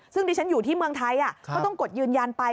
ซึ่งดิฉันอยู่ที่เมืองไทยก็ต้องกดยืนยันไป